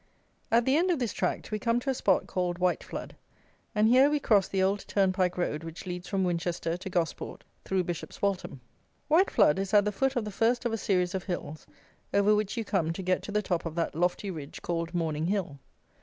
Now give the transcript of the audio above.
At the end of this tract we come to a spot called Whiteflood, and here we cross the old turnpike road which leads from Winchester to Gosport through Bishop's Waltham. Whiteflood is at the foot of the first of a series of hills over which you come to get to the top of that lofty ridge called Morning Hill.